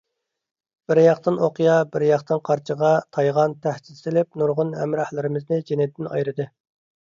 بىر ياقتىن ئوقيا، بىر ياقتىن قارچىغا، تايغان تەھدىت سېلىپ نۇرغۇن ھەمراھلىرىمىزنى جېنىدىن ئايرىدى.